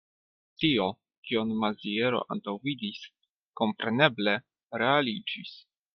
Tio, kion Maziero antaŭvidis, kompreneble realiĝis.